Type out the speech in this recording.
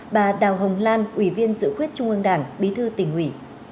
và đào hồng lan ủy viên dự quyết trung ương đảng bí thư tỉnh hủy